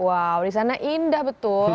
wow di sana indah betul